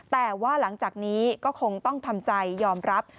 แต่ว่าหลังจากนี้ก็คงต้องทำใจยอมรับ